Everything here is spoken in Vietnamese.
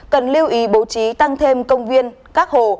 cần lưu ý bố trí tăng thêm công viên các hồ